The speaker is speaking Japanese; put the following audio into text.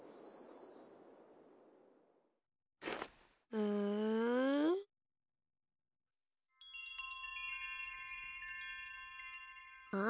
うん？あっ。